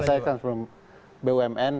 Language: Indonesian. saya kan sebelum bumn